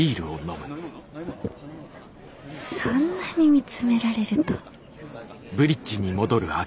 そんなに見つめられると。